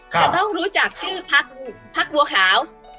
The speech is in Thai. จะต้องรู้จักชื่อพักบัวขาว